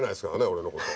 俺のこと。